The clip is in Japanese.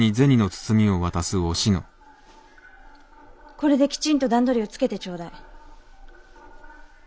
これできちんと段取りをつけてちょうだい。